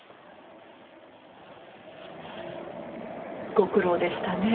ご苦労でしたね。